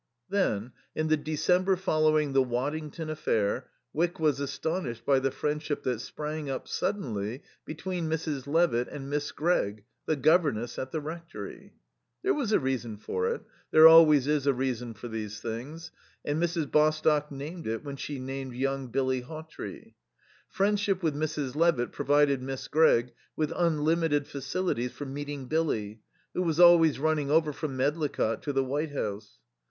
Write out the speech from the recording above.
Then, in the December following the Waddington affair, Wyck was astonished by the friendship that sprang up, suddenly, between Mrs. Levitt and Miss Gregg, the governess at the rectory. There was a reason for it there always is a reason for these things and Mrs. Bostock named it when she named young Billy Hawtrey. Friendship with Mrs. Levitt provided Miss Gregg with, unlimited facilities for meeting Billy, who was always running over from Medlicott to the White House.